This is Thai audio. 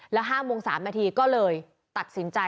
แล้ว๕โมง๓นาทีก็เลยตัดสินใจ